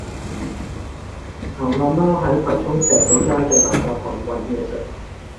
流浪貓喺葵涌石貝街嘅垃圾桶搵野食